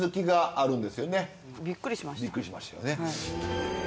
びっくりしましたよね。